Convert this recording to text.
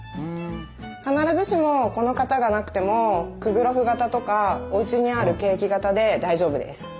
必ずしもこの型がなくてもクグロフ型とかおうちにあるケーキ型で大丈夫です。